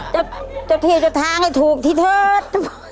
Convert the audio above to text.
จุธีจุธานถูกที่เทิด